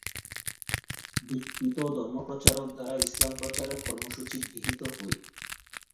দীক্ষিত ধর্মপ্রচারক দ্বারা ইসলাম প্রচারের কর্মসূচি গৃহীত হয়।